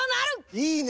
いいね！